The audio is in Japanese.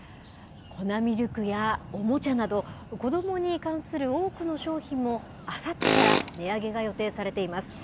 粉ミルクやおもちゃなど、子どもに関する多くの商品もあさってから値上げが予定されています。